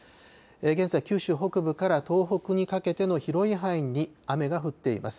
現在、九州北部から東北にかけての広い範囲に雨が降っています。